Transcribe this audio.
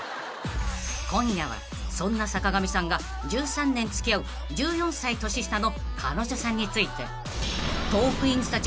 ［今夜はそんな坂上さんが１３年付き合う１４歳年下の彼女さんについて］